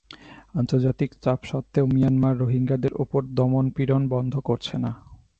আন্তর্জাতিক চাপ সত্ত্বেও মিয়ানমার রোহিঙ্গাদের ওপর দমন পীড়ন বন্ধ করছে না।